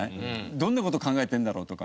どんな事考えてるんだろう？とか。